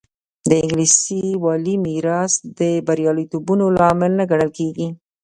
د انګلیسي والي میراث د بریالیتوبونو لامل نه ګڼل کېږي.